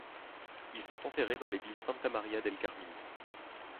Ils sont enterrés dans l'église Santa Maria del Carmine.